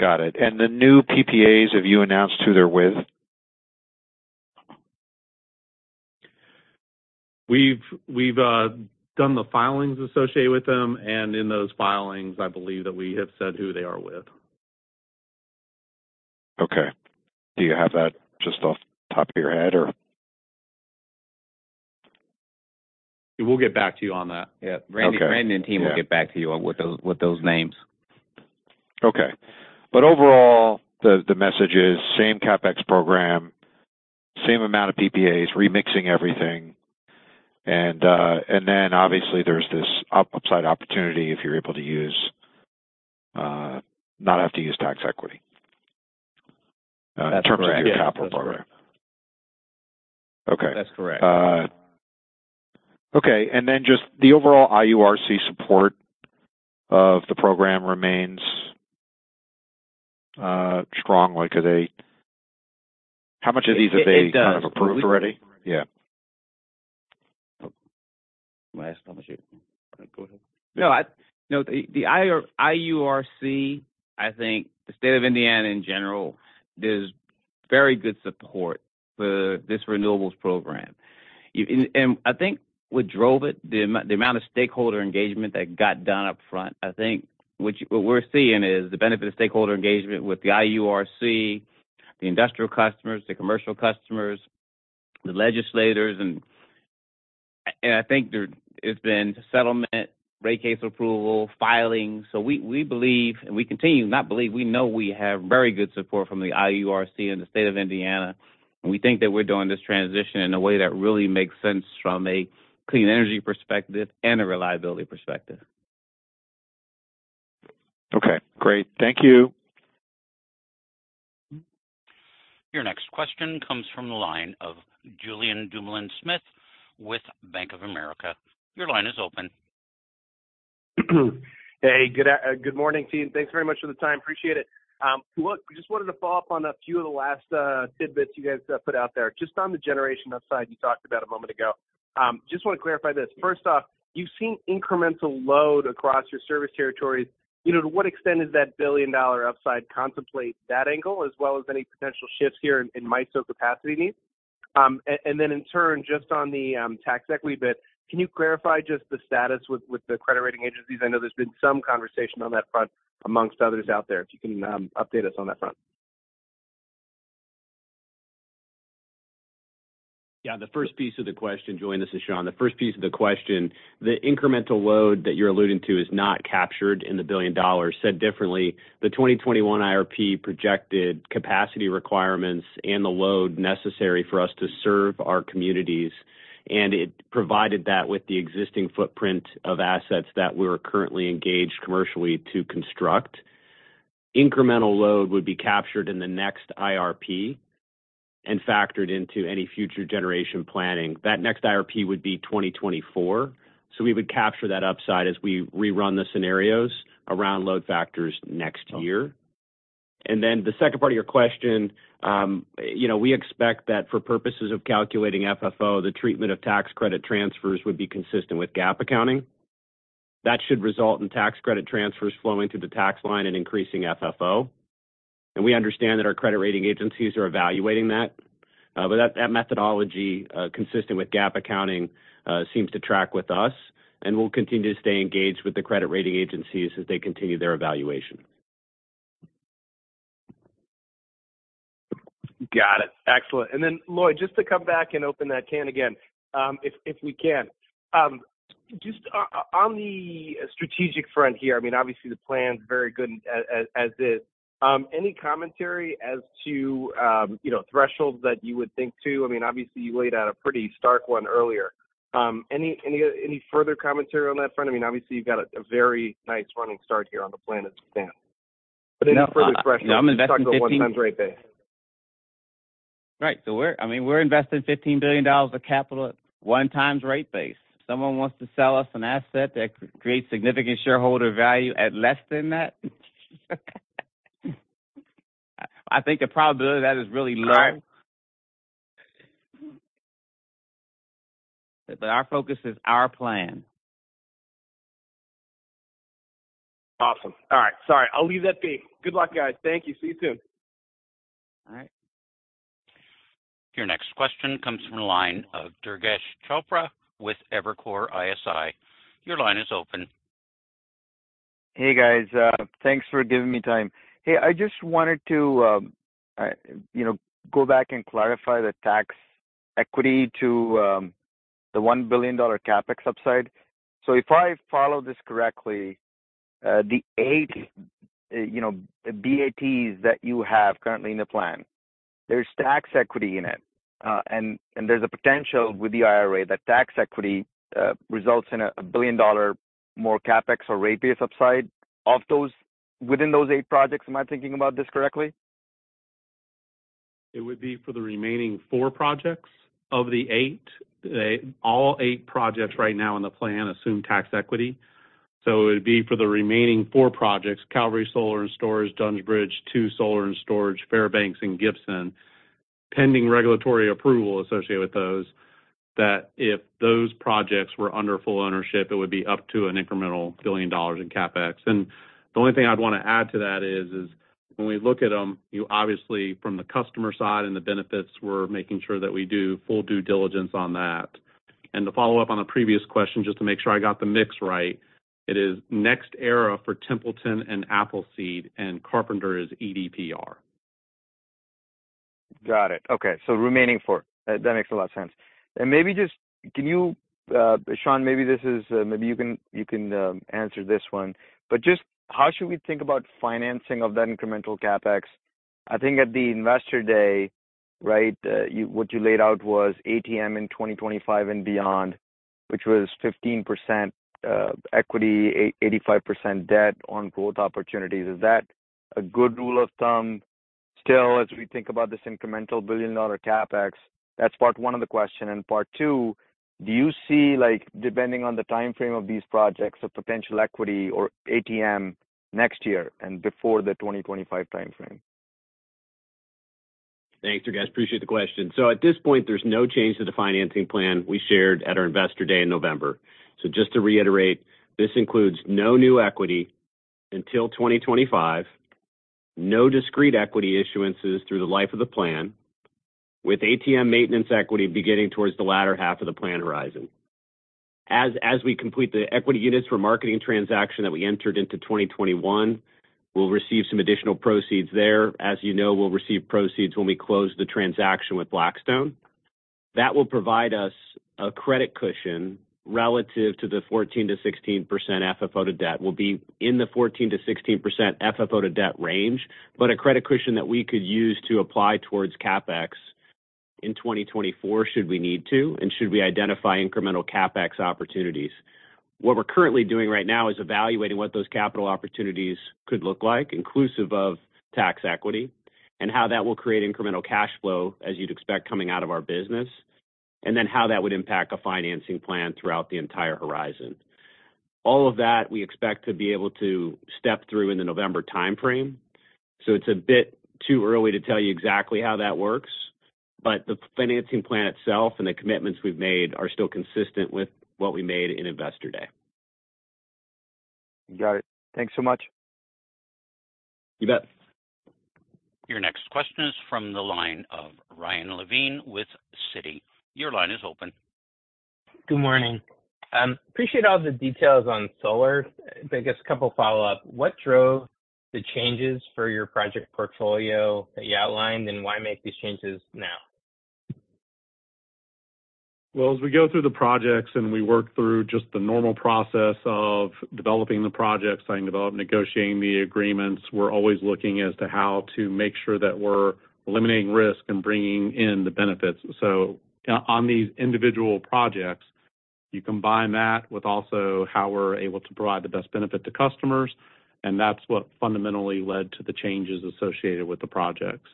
Got it. The new PPAs, have you announced who they're with? We've, we've done the filings associated with them, and in those filings, I believe that we have said who they are with. Okay. Do you have that just off the top of your head or? We'll get back to you on that. Yeah. Okay. Randy, Randy and team will get back to you on what those, what those names. Okay. overall, the, the message is same CapEx program, same amount of PPAs, remixing everything, and, and then obviously there's this upside opportunity if you're able to use not have to use tax equity in terms of your capital program. That's correct. Okay. That's correct. Okay, then just the overall IURC support of the program remains strong, like are they... How much of these have they... It does. kind of approved already? Yeah. Last time I checked. Go ahead. No, no, the, the IURC, I think the state of Indiana in general, there's very good support for this renewables program. I think what drove it, the amount of stakeholder engagement that got done up front, I think what we're seeing is the benefit of stakeholder engagement with the IURC, the industrial customers, the commercial customers, the legislators, and I think there it's been settlement, rate case approval, filings. We believe, and we continue, not believe, we know we have very good support from the IURC and the state of Indiana. We think that we're doing this transition in a way that really makes sense from a clean energy perspective and a reliability perspective. Okay, great. Thank you. Your next question comes from the line of Julien Dumoulin-Smith with Bank of America. Your line is open. Hey, good morning to you. Thanks very much for the time. Appreciate it. Look, just wanted to follow up on a few of the last tidbits you guys put out there. Just on the generation upside you talked about a moment ago, just want to clarify this. First off, you've seen incremental load across your service territories. You know, to what extent does that billion-dollar upside contemplate that angle, as well as any potential shifts here in MISO capacity needs? Then in turn, just on the tax equity bit, can you clarify just the status with the credit rating agencies? I know there's been some conversation on that front, amongst others out there. If you can, update us on that front. Yeah, the first piece of the question, Julien, this is Shawn. The first piece of the question, the incremental load that you're alluding to is not captured in the $1 billion. Said differently, the 2021 IRP projected capacity requirements and the load necessary for us to serve our communities, and it provided that with the existing footprint of assets that we're currently engaged commercially to construct. Incremental load would be captured in the next IRP and factored into any future generation planning. That next IRP would be 2024, we would capture that upside as we rerun the scenarios around load factors next year. Then the second part of your question, you know, we expect that for purposes of calculating FFO, the treatment of tax credit transfers would be consistent with GAAP accounting. That should result in tax credit transfers flowing through the tax line and increasing FFO. We understand that our credit rating agencies are evaluating that, but that, that methodology, consistent with GAAP accounting, seems to track with us, and we'll continue to stay engaged with the credit rating agencies as they continue their evaluation. Got it. Excellent. And then, Lloyd, just to come back and open that can again, if, if we can. Just on the strategic front here, I mean, obviously, the plan is very good as, as, as is. Any commentary as to, you know, thresholds that you would think to? I mean, obviously you laid out a pretty stark one earlier. Any, any, any further commentary on that front? I mean, obviously you've got a, a very nice running start here on the plan as it stands. But any further thresholds? No, I'm investing fifteen- Talk about 1x rate base. Right. We're... I mean, we're investing $15 billion of capital at 1x rate base. Someone wants to sell us an asset that creates significant shareholder value at less than that? I think the probability of that is really low. Our focus is our plan. Awesome. All right. Sorry, I'll leave that be. Good luck, guys. Thank you. See you soon. All right. Your next question comes from the line of Durgesh Chopra with Evercore ISI. Your line is open. Hey, guys. Thanks for giving me time. Hey, I just wanted to, you know, go back and clarify the tax equity to the $1 billion CapEx upside. If I follow this correctly, the eight, you know, BATs that you have currently in the plan, there's tax equity in it. And there's a potential with the IRA that tax equity results in a, a $1 billion more CapEx or rate-based upside of those, within those eight projects. Am I thinking about this correctly? It would be for the remaining four projects of the eight. All eight projects right now in the plan assume tax equity. It would be for the remaining four projects: Cavalry Solar and Storage, Dunns Bridge II Solar and Storage, Fairbanks and Gibson, pending regulatory approval associated with those, that if those projects were under full ownership, it would be up to an incremental $1 billion in CapEx. The only thing I'd want to add to that is, is when we look at them, you obviously, from the customer side and the benefits, we're making sure that we do full due diligence on that. To follow up on a previous question, just to make sure I got the mix right, it is NextEra for Templeton and Appleseed, and Carpenter is EDPR. Got it. Okay, remaining four. That, that makes a lot of sense. Maybe just... Can you, Shawn, maybe this is, maybe you can answer this one. Just how should we think about financing of that incremental CapEx? I think at the Investor Day, right, what you laid out was ATM in 2025 and beyond, which was 15% equity, 85% debt on growth opportunities. Is that a good rule of thumb still, as we think about this incremental 1 billion-dollar CapEx? That's part one of the question. Part two, do you see, like, depending on the time frame of these projects, a potential equity or ATM next year and before the 2025 time frame? Thanks, Durgesh. Appreciate the question. At this point, there's no change to the financing plan we shared at our Investor Day in November. Just to reiterate, this includes no new equity until 2025, no discrete equity issuances through the life of the plan, with ATM maintenance equity beginning towards the latter half of the plan horizon. As we complete the equity units for marketing transaction that we entered into 2021, we'll receive some additional proceeds there. As you know, we'll receive proceeds when we close the transaction with Blackstone. That will provide us a credit cushion relative to the 14%-16% FFO to debt. We'll be in the 14%-16% FFO to debt range, but a credit cushion that we could use to apply towards CapEx in 2024, should we need to, and should we identify incremental CapEx opportunities. What we're currently doing right now is evaluating what those capital opportunities could look like, inclusive of tax equity, and how that will create incremental cash flow, as you'd expect, coming out of our business, and then how that would impact a financing plan throughout the entire horizon. All of that, we expect to be able to step through in the November time frame, so it's a bit too early to tell you exactly how that works, but the financing plan itself and the commitments we've made are still consistent with what we made in Investor Day. Got it. Thanks so much. You bet. Your next question is from the line of Ryan Levine with Citi. Your line is open. Good morning. Appreciate all the details on solar. I guess a couple follow-up: What drove the changes for your project portfolio that you outlined, and why make these changes now? Well, as we go through the projects and we work through just the normal process of developing the projects, signing, develop, negotiating the agreements, we're always looking as to how to make sure that we're eliminating risk and bringing in the benefits. On these individual projects, you combine that with also how we're able to provide the best benefit to customers, and that's what fundamentally led to the changes associated with the projects.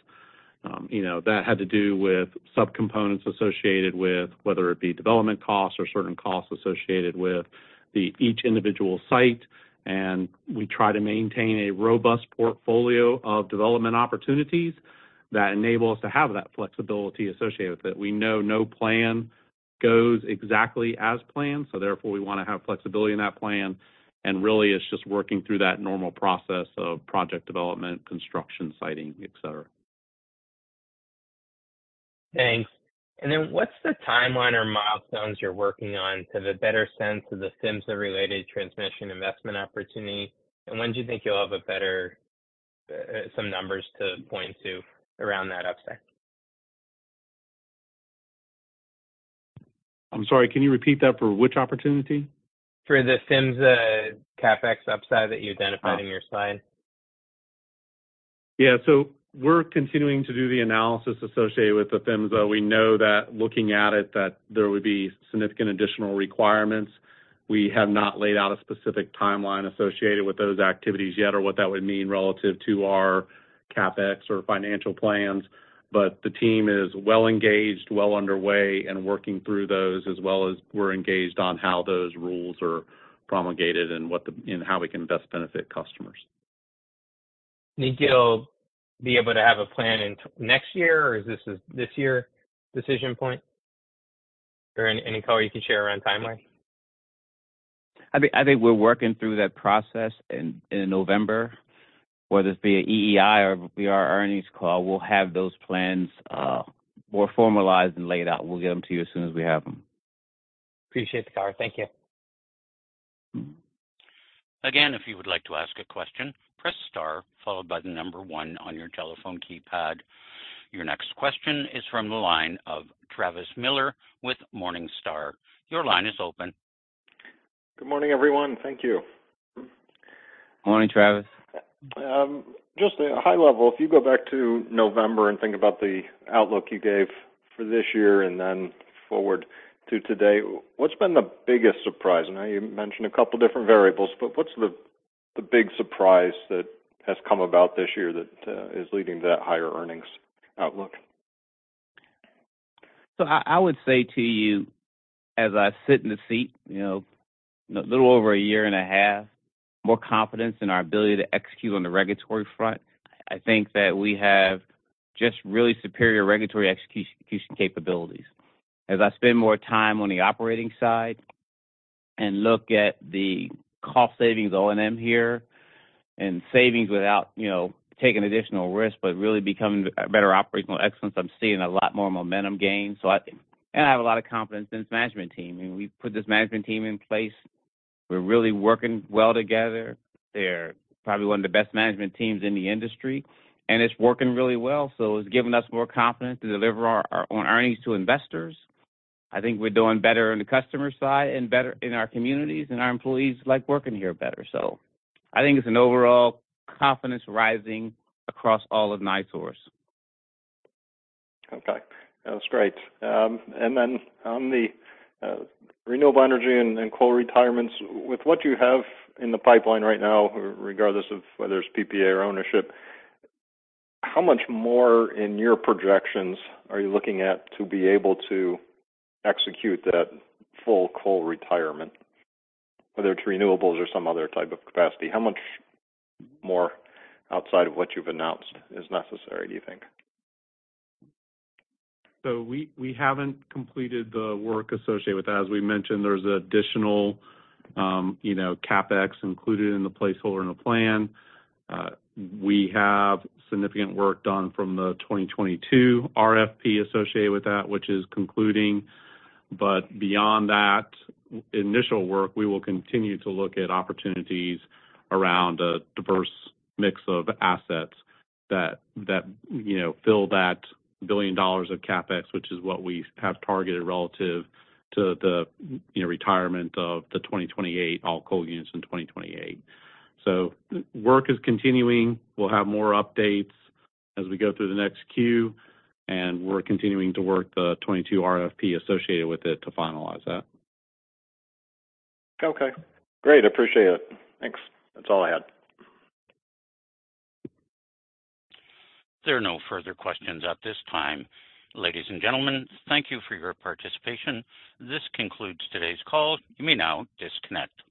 You know, that had to do with subcomponents associated with whether it be development costs or certain costs associated with the each individual site, we try to maintain a robust portfolio of development opportunities that enable us to have that flexibility associated with it. We know no plan goes exactly as planned, so therefore, we want to have flexibility in that plan. Really, it's just working through that normal process of project development, construction, siting, et cetera. Thanks. What's the timeline or milestones you're working on to have a better sense of the SIMSA-related transmission investment opportunity? When do you think you'll have a better, some numbers to point to around that upside? I'm sorry, can you repeat that for which opportunity? For the SIMSA CapEx upside that you identified in your slide. Yeah. We're continuing to do the analysis associated with the SIMSA. We know that looking at it, that there would be significant additional requirements. We have not laid out a specific timeline associated with those activities yet or what that would mean relative to our CapEx or financial plans, but the team is well engaged, well underway, and working through those, as well as we're engaged on how those rules are promulgated and how we can best benefit customers. You think you'll be able to have a plan in next year, or is this year decision point? Or any color you can share around timeline? I think, I think we're working through that process in, in November, whether it's via EEI or via our earnings call, we'll have those plans more formalized and laid out. We'll get them to you as soon as we have them. Appreciate the color. Thank you. Mm-hmm. Again, if you would like to ask a question, press star followed by number one on your telephone keypad. Your next question is from the line of Travis Miller with Morningstar. Your line is open. Good morning, everyone. Thank you. Morning, Travis. Just a high level, if you go back to November and think about the outlook you gave for this year and then forward to today, what's been the biggest surprise? I know you mentioned a couple different variables, but what's the, the big surprise that has come about this year that is leading to that higher earnings outlook? I would say to you, as I sit in the seat, you know, a little over a year and a half, more confidence in our ability to execute on the regulatory front. I think that we have just really superior regulatory execution capabilities. As I spend more time on the operating side and look at the cost savings O&M here and savings without, you know, taking additional risk, but really becoming better operational excellence, I'm seeing a lot more momentum gain. I have a lot of confidence in this management team, and we put this management team in place. We're really working well together. They're probably one of the best management teams in the industry, it's working really well, it's giving us more confidence to deliver our, our own earnings to investors. I think we're doing better on the customer side and better in our communities, and our employees like working here better. I think it's an overall confidence rising across all of NiSource. Okay, that's great. Then on the renewable energy and, and coal retirements, with what you have in the pipeline right now, regardless of whether it's PPA or ownership, how much more in your projections are you looking at to be able to execute that full coal retirement, whether it's renewables or some other type of capacity? How much more outside of what you've announced is necessary, do you think? We, we haven't completed the work associated with that. As we mentioned, there's additional, you know, CapEx included in the placeholder in the plan. We have significant work done from the 2022 RFP associated with that, which is concluding. Beyond that initial work, we will continue to look at opportunities around a diverse mix of assets that, that, you know, fill that $1 billion of CapEx, which is what we have targeted relative to the, you know, retirement of the 2028, all coal units in 2028. Work is continuing. We'll have more updates as we go through the next Q, and we're continuing to work the 22 RFP associated with it to finalize that. Okay, great. Appreciate it. Thanks. That's all I had. There are no further questions at this time. Ladies and gentlemen, thank you for your participation. This concludes today's call. You may now disconnect.